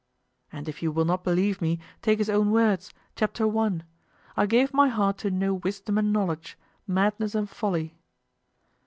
And if you will not believe me, take his own words, Chapter 1, "I gave my heart to know wisdom and knowledge, madness and folly."